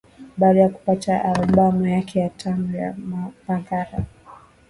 Baada ya kupata albamu yake ya tano ya Mbaqanga